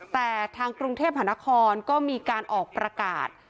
แต่ทางกรุงเทพหานครก็มีการออกประกาศ